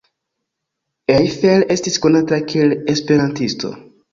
Eiffel estis konata kiel esperantisto.